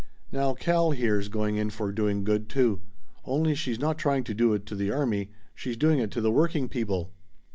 Now Cal here's going in for doing good, too. Only she's not trying to do it to the army. She's doing it to the working people."